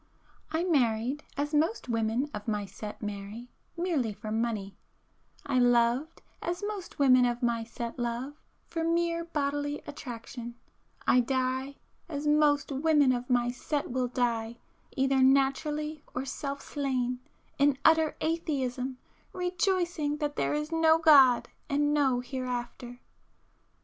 I married, as most women of my set marry, merely for money,—I loved, as most women of my set love, for mere bodily attraction,—I die, as most women of my set will die, either naturally or self slain, in utter atheism, rejoicing that there is no God and no Hereafter!